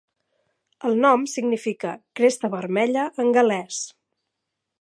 El nom significa "cresta vermella" en gal·lès.